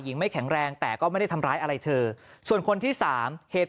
หญิงไม่แข็งแรงแต่ก็ไม่ได้ทำร้ายอะไรเธอส่วนคนที่สามเหตุ